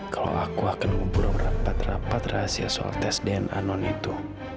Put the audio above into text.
kalau aku akan ngumpul rapat rapat rahasia soal tes dna non itu